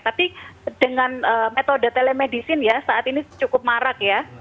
tapi dengan metode telemedicine ya saat ini cukup marak ya